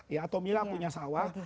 ya atau mila punya sawah